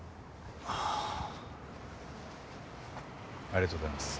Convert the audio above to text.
ありがとうございます。